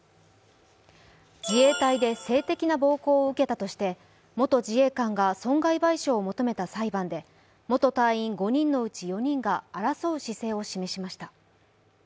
自衛隊で性的な暴行を受けたとして元自衛官が損害賠償を求めた裁判で元隊員５人のうち４人が争う姿勢を示しました。